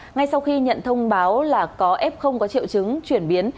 ngay sau khi nhận thông báo là có f có triệu chứng chuyển biến